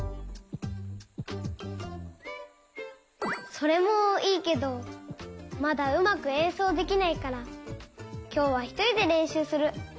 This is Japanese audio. それもいいけどまだうまくえんそうできないからきょうはひとりでれんしゅうする。